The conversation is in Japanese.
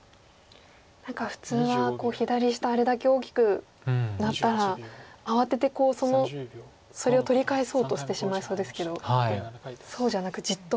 何か普通は左下あれだけ大きくなったら慌ててそれを取り返そうとしてしまいそうですけどそうじゃなくじっと。